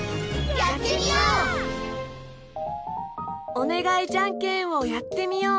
「おねがいじゃんけん」をやってみよう！